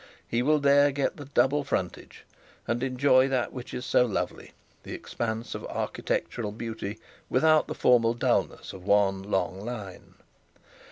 He will there get the double frontage, and enjoy that which is so lovely the expanse of architectural beauty without the formal dullness of one long line.